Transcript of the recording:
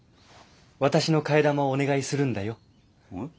私の替え玉をお願いするんだよ。